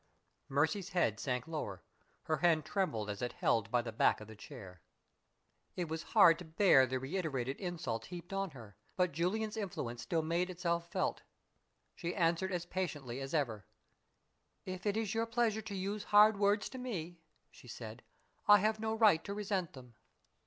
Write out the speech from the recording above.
Mercy's head sank lower; her hand trembled as it held by the back of the chair. It was hard to bear the reiterated insults heaped on her, but Julian's influence still made itself felt. She answered as patiently as ever. "If it is your pleasure to use hard words to me," she said, "I have no right to resent them."